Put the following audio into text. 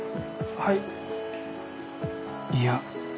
はい。